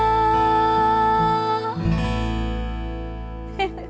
フフフッ。